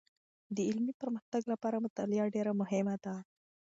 د علمي پرمختګ لپاره مطالعه ډېر مهمه ده.